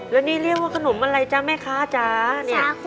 แล้วนี่เรียกว่าขนมอะไรจ้ะแม่คะจ้ะเนี่ยสาคู